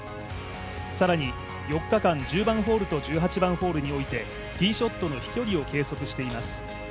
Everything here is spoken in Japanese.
更に４日間１０番ホールと１８番ホールにおいてティーショットの飛距離を計測しています。